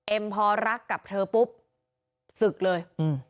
เอมพอรักกับเธอปุ๊บสึกเลย